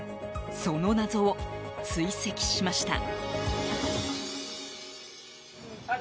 その謎を追跡しました。